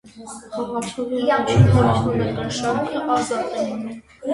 Խաղացողի առաջին հորիզոնական շարքը ազատ է մնում։